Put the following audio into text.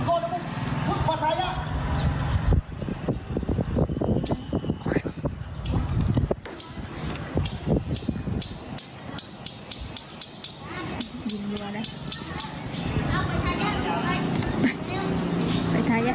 ดูเหงื่อเลย